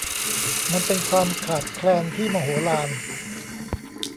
มันเป็นความขาดแคลนที่มโหฬาร